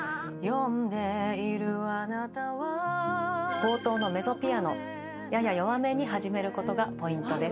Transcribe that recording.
冒頭のメゾピアノやや弱めに始めることがポイントです。